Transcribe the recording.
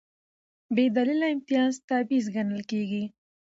بېدلیله امتیاز تبعیض ګڼل کېږي.